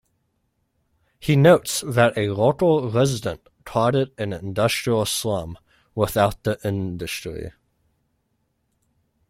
He notes that a local resident called it an industrial slum without the industry.